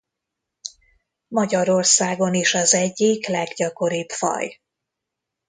Magyarországon is az egyik leggyakoribb faj.